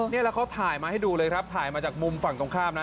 นี่แล้วเขาถ่ายมาให้ดูเลยครับถ่ายมาจากมุมฝั่งตรงข้ามนะ